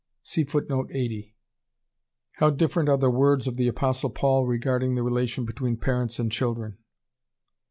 How different are the words of the Apostle Paul regarding the relation between parents and children.